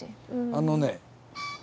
あのね。